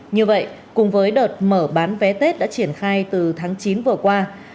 như vậy cùng với đợt mở bán vé tết đã triển khai từ tháng chín vừa qua